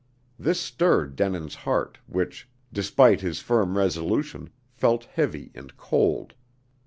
This stirred Denin's heart, which, despite his firm resolution, felt heavy and cold.